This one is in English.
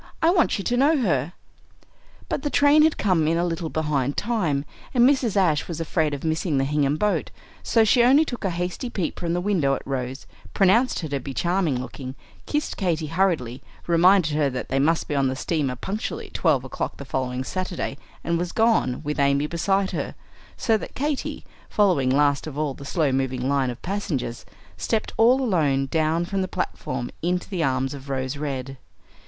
I want you to know her." But the train had come in a little behind time, and Mrs. Ashe was afraid of missing the Hingham boat; so she only took a hasty peep from the window at Rose, pronounced her to be charming looking, kissed Katy hurriedly, reminded her that they must be on the steamer punctually at twelve o'clock the following Saturday, and was gone, with Amy beside her; so that Katy, following last of all the slow moving line of passengers, stepped all alone down from the platform into the arms of Rose Red.